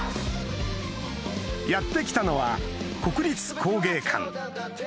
やって来たのは国立工芸館